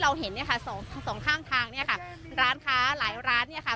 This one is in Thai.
เห็นเนี่ยค่ะสองสองข้างทางเนี่ยค่ะร้านค้าหลายร้านเนี่ยค่ะ